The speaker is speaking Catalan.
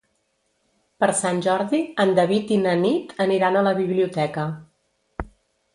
Per Sant Jordi en David i na Nit aniran a la biblioteca.